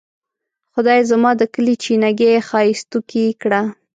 خدایه زما د کلي چینه ګۍ ښائستوکې کړه.